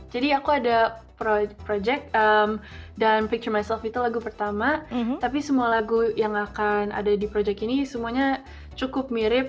jadi aku ada proyek dan picture myself itu lagu pertama tapi semua lagu yang akan ada di proyek ini semuanya cukup mirip